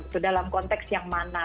ke dalam konteks yang mana